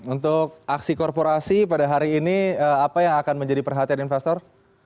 untuk aksi korporasi pada hari ini apa yang akan menjadi perhatian investor